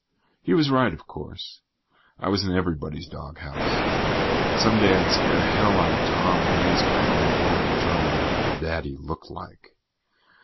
He was right, of course. I was in everybody's doghouse. Some day I'd scare hell out of Tom and Lise by going home and showing them what their daddy looked like.